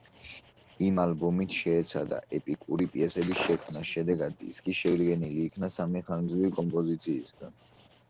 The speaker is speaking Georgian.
ამ ალბომით ჯგუფი შეეცადა ეპიკური პიესების შექმნას, შედეგად დისკი შედგენილი იქნა სამი ხანგრძლივი კომპოზიციისგან.